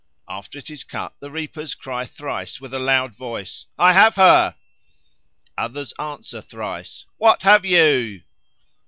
After it is cut the reapers cry thrice with a loud voice, "I have her!" Others answer thrice, "What have you?"